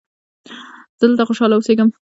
زه دلته خوشحاله اوسیږم.